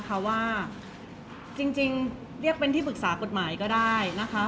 เพราะว่าสิ่งเหล่านี้มันเป็นสิ่งที่ไม่มีพยาน